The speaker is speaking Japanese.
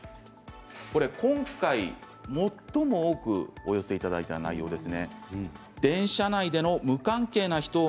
今回、最も多くお寄せいただいた内容です。